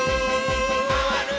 まわるよ。